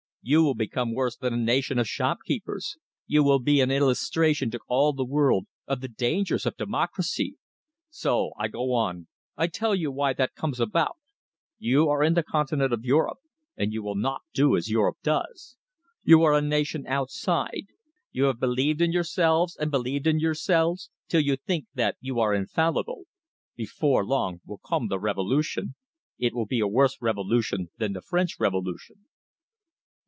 You will become worse than a nation of shop keepers. You will be an illustration to all the world of the dangers of democracy. So! I go on. I tell you why that comes about. You are in the continent of Europe, and you will not do as Europe does. You are a nation outside. You have believed in yourselves and believed in yourselves, till you think that you are infallible. Before long will come the revolution. It will be a worse revolution than the French Revolution."